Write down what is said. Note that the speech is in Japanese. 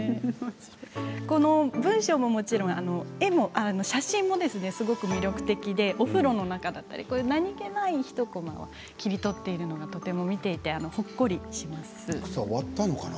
この文章ももちろん写真もすごく魅力的でお風呂の中だったり何気ない一コマを切り取っているのがとても見ていてほっこりします。